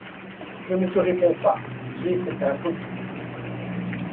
Je ne te réponds pas. J'ai cette impolitesse.